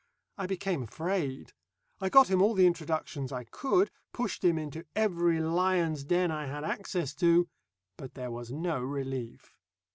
I became afraid. I got him all the introductions I could, pushed him into every lion's den I had access to. But there was no relief.